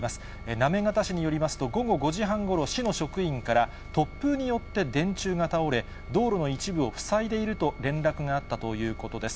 行方市によりますと、午後５時半ごろ、市の職員から、突風によって電柱が倒れ、道路の一部を塞いでいると連絡があったということです。